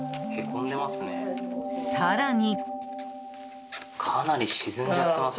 更に。